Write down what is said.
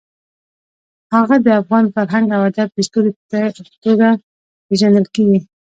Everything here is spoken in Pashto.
هغه د افغان فرهنګ او ادب د ستوري په توګه پېژندل کېږي.